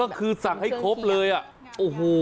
ก็คือสั่งให้ครบเลยอ่ะโอ้โห